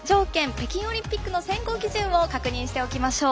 北京オリンピックの選考基準を確認しておきましょう。